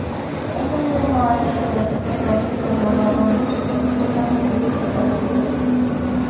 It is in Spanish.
Ese mismo año, la capital se trasladó a Roma, dejando el proyecto paralizado.